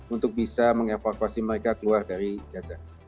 untuk bisa mengevakuasi mereka keluar dari gaza